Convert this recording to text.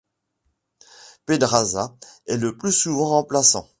Pedraza est le plus souvent remplaçant.